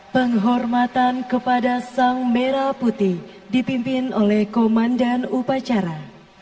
penghormatan kepada sang merah putih dipimpin oleh komandan upacara